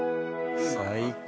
最高。